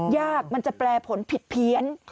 ยากมันจะแปลผลผิดเพี้ยน